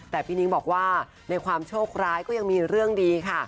แต่พี่นิ้งบอกว่าในความโชคร้ายก็ยังมีเรื่องดีค่ะ